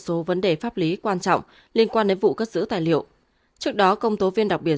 số vấn đề pháp lý quan trọng liên quan đến vụ cất giữ tài liệu trước đó công tố viên đặc biệt